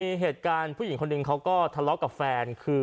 มีเหตุการณ์ผู้หญิงคนหนึ่งเขาก็ทะเลาะกับแฟนคือ